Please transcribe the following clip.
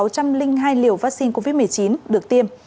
có một hai mươi một sáu trăm linh hai liều vaccine covid một mươi chín được tiêm